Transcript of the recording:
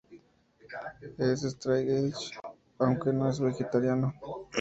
Es Straight Edge, aunque no es vegetariano.